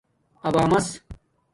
ابݳمیس